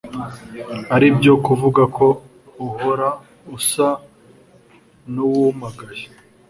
ari byo kuvuga ko uhora usa n'uwumagaye